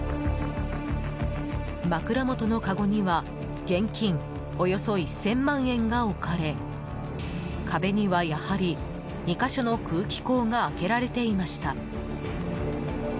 枕元のかごには現金およそ１０００万円が置かれ壁には、やはり２か所の空気口が開けられていました。